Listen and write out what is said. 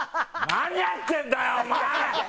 何やってんだよお前！